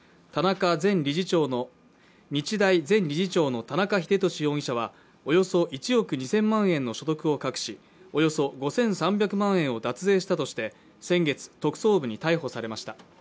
日大前理事長の田中英寿容疑者はおよそ１億２０００万円の所得を隠し、およそ５３００万円を脱税したとして、先月特捜部に逮捕されました。